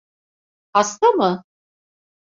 Hasta mı?